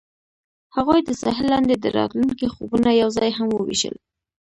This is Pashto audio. هغوی د ساحل لاندې د راتلونکي خوبونه یوځای هم وویشل.